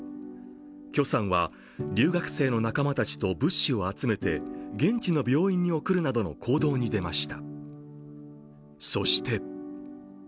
許さんは、留学生の仲間たちと物資を集めて現地の病院に送るなどの行動に出ました。